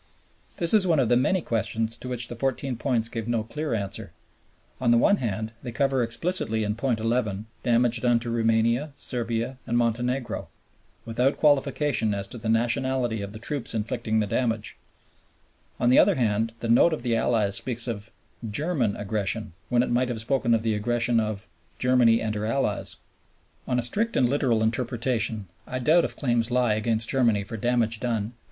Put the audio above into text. This is one of the many questions to which the Fourteen Points give no clear answer; on the one hand, they cover explicitly in Point 11 damage done to Roumania, Serbia, and Montenegro, without qualification as to the nationality of the troops inflicting the damage; on the other hand, the Note of the Allies speaks of "German" aggression when it might have spoken of the aggression of "Germany and her allies." On a strict and literal interpretation, I doubt if claims lie against Germany for damage done, _e.